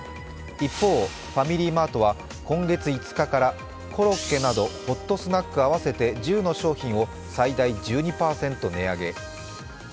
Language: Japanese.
一方、ファミリーマートは今月５日からコロッケなどホットスナック合わせて１０の商品を最大１２％値上げ。